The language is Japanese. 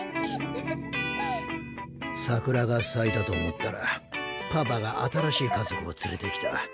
桜が咲いたと思ったらパパが新しい家族を連れてきた。